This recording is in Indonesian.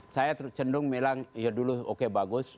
saya tercendung bilang ya dulu oke bagus